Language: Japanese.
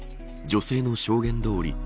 女性の証言どおり